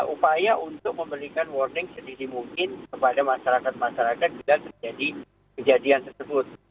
upaya untuk memberikan warning sedini mungkin kepada masyarakat masyarakat bila terjadi kejadian tersebut